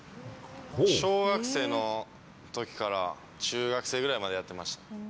小学生のときから、中学生ぐらいまでやってました。